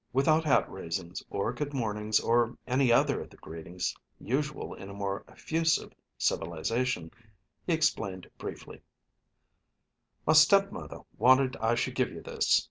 Without hat raisings, or good mornings or any other of the greetings usual in a more effusive civilization, he explained briefly: "My stepmother wanted I should give you this.